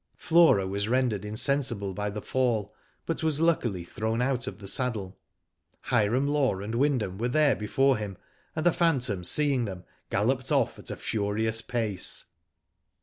Flora was rendered insensible by the fall, but was luckily thrown out of the saddle. Hiram Law and Wyndham were there before him, and the phantom, seeing them, galloped off at a furious pace.